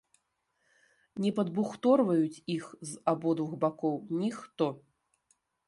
Не падбухторваюць іх з абодвух бакоў ніхто!